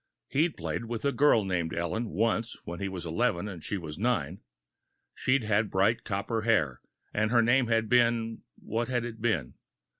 He'd played with a girl named Ellen, once when he was eleven and she was nine. She'd had bright copper hair, and her name had been what had it been?